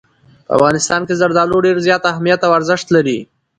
په افغانستان کې زردالو ډېر زیات اهمیت او ارزښت لري.